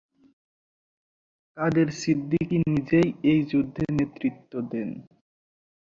কাদের সিদ্দিকী নিজেই এই যুদ্ধে নেতৃত্ব দেন।